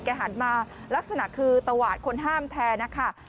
หันมาลักษณะคือตวาดคนห้ามแทนนะคะ